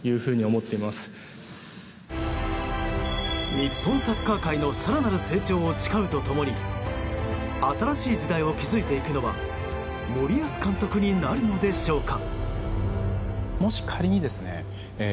日本サッカー界の更なる成長を誓うと共に新しい時代を築いていくのは森保監督になるのでしょうか。